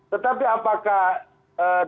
tetapi apakah dengan kekurangan anggaran negara